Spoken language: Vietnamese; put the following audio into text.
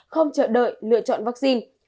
không chờ đợi lựa chọn vaccine